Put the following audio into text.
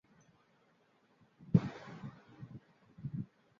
বর্তমানে আদি শিলালিপির অনুরূপ একটি লিপি কেন্দ্রীয় প্রবেশ পথের শীর্ষে প্রোথিত আছে।